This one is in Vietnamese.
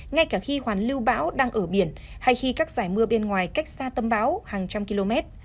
ngay cả khi hoàn lưu bão đang ở biển hay khi các giải mưa bên ngoài cách xa tâm bão hàng trăm km